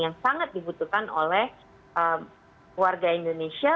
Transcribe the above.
yang sangat dibutuhkan oleh warga indonesia